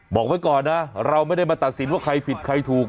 บอกไว้ก่อนนะเราไม่ได้มาตัดสินว่าใครผิดใครถูก